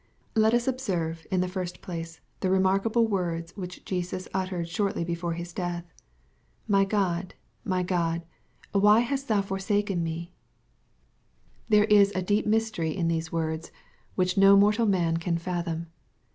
Let us observe, in the first place, the remarkable words which Jesus uttered shortly before His death, " My God, my God, why hast thou forsaken me ?" 17 894 EXP08IT0BT THOUGHTS. There ib a deep mTstery in these words, which no mortal man can fathom.